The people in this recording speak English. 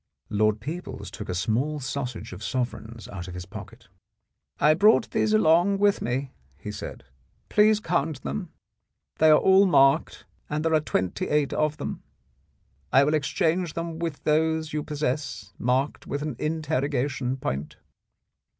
Lord Peebles took a small sausage of sovereigns out of his pocket. "I brought these along with me," he said, "please count them ; they are all marked, and there are twenty eight of them. I will exchange them with those you possess marked with an interrogation point."